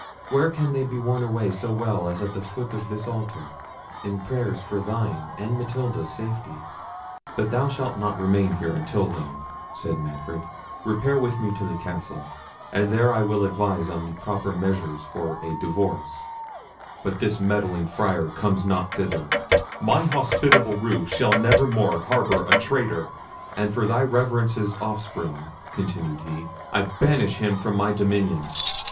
Where can they be worn away so well as at the foot of this altar, in prayers for thine and Matilda's safety?" "But thou shalt not remain here until then," said Manfred. "Repair with me to the castle, and there I will advise on the proper measures for a divorce;—but this meddling Friar comes not thither; my hospitable roof shall never more harbour a traitor—and for thy Reverence's offspring," continued he, "I banish him from my dominions.